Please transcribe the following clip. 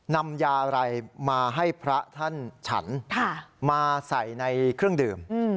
นำยาอะไรมาให้พระท่านฉันมาใส่ในเครื่องดื่ม